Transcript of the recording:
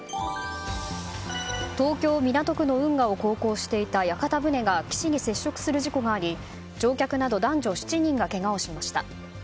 東京・港区の運河を航行していた屋形船が岸に接触する事故があり乗客など男女７人がけがをしました。